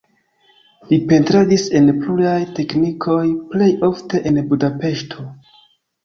Li pentradis en pluraj teknikoj, plej ofte en Budapeŝto.